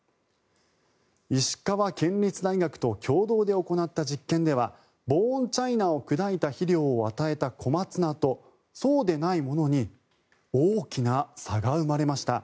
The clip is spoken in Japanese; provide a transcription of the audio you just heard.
石川県立大学と共同で行った実験ではボーンチャイナを砕いた肥料を与えたコマツナとそうでないものに大きな差が生まれました。